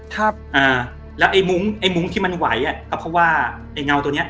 ครับอ่าแล้วไอ้มุ้งไอ้มุ้งที่มันไหวอ่ะก็เพราะว่าไอ้เงาตัวเนี้ย